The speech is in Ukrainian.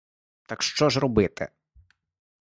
Так що ж робити?